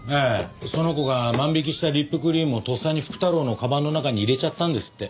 その子が万引きしたリップクリームをとっさに福太郎のかばんの中に入れちゃったんですって。